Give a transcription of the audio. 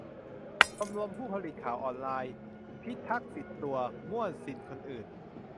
ชมรมผู้ผลิตข่าวออนไลน์ : พิทักษ์สิทธิตัว มั่วสิทธิคนอื่น ?